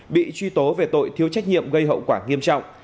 bị truy tố về tội thiếu trách nhiệm gây hậu quả nghiêm trọng